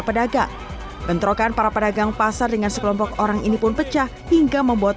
pedagang bentrokan para pedagang pasar dengan sekelompok orang ini pun pecah hingga membuat